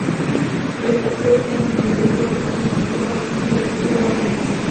Destaca en su interior el retablo mayor, de estilo romanista.